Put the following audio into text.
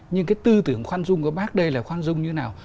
nhưng cái tư tưởng khoan dung của bác đây là khoan dung như nào